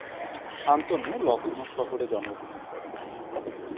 শান্তনু লক্ষ্ণৌ শহরে জন্মগ্রহণ করেন।